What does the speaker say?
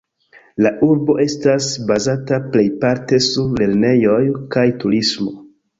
La urbo estas bazata plejparte sur lernejoj kaj turismo.